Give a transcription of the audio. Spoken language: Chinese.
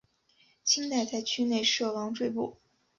清代在区内设王赘步。